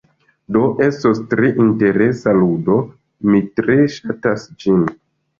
Do, estos tre interesa ludo, mi tre ŝatas ĝin.